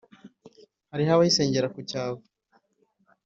hariho abayisengera ku cyavu,